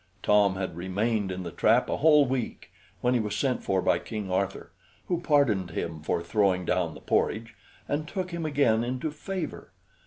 Tom had remained in the trap a whole week, when he was sent for by King Arthur, who pardoned him for throwing down the porridge, and took him again into favor.